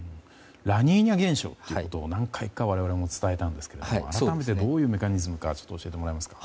ラニーニャ現象ということを何回か我々も伝えたんですが改めてどういうメカニズムか教えてもらえますか。